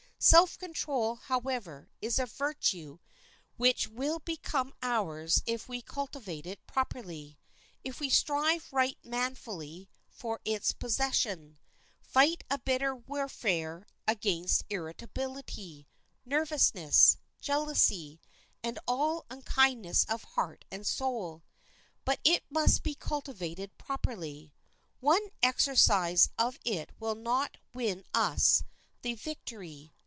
Self control, however, is a virtue which will become ours if we cultivate it properly, if we strive right manfully for its possession; fight a bitter warfare against irritability, nervousness, jealousy, and all unkindness of heart and soul. But it must be cultivated properly. One exercise of it will not win us the victory.